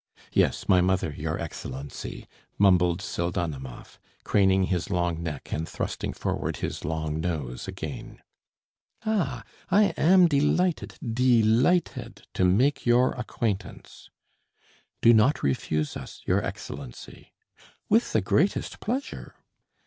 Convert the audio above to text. "Yes, my mother, your Excellency," mumbled Pseldonimov, craning his long neck and thrusting forward his long nose again. "Ah! I am delighted de ligh ted to make your acquaintance." "Do not refuse us, your Excellency." "With the greatest pleasure."